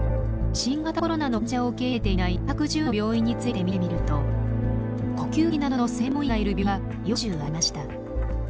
新型コロナの患者を受け入れていない２１０の病院について見てみると呼吸器などの専門医がいる病院は４０ありました。